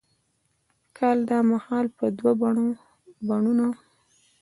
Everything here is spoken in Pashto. کال دا مهال به دوه بڼوڼه،